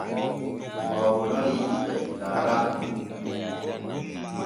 Oo wonorii jiɓe gam rafoo.